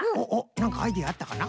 なんかアイデアあったかな？